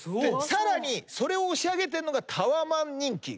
さらにそれを押し上げてんのがタワマン人気。